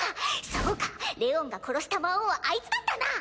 そうかレオンが殺した魔王はあいつだったな！